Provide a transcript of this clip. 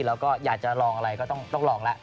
แล้วก็อยากจะลองอะไรก็ต้องลองแล้ว